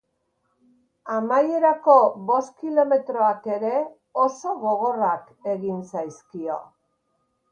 Amaierako bost kilometroak ere oso gogorrak egin zaizkio.